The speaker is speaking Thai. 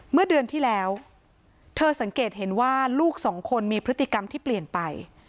เมื่อเดือนที่แล้วเธอสังเกตเห็นว่าลูกสองคนมีพฤติกรรมที่เปลี่ยนไป